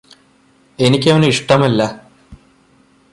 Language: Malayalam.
എനിക്കവനെ ഇഷ്ടമല്ലാ